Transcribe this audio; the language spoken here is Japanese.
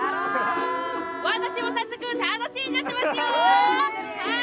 私も早速楽しんじゃってますよ。